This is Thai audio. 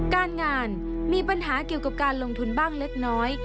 การงานมีปัญหาเกี่ยวกับการลงทุนบ้างเล็กน้อย